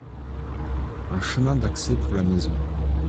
un chemin d'accès pour la maison